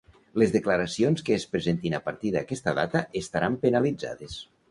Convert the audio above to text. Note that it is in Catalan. Les declaracions que es presentin a partir d’aquesta data estaran penalitzades.